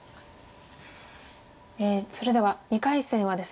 それでは２回戦はですね